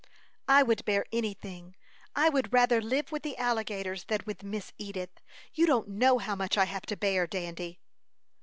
"I would bear any thing. I would rather live with the alligators than with Miss Edith. You don't know how much I have to bear, Dandy."